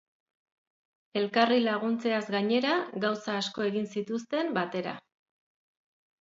Elkarri laguntzeaz gainera, gauza asko egin zituzten batera.